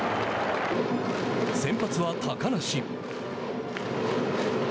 先発は高梨。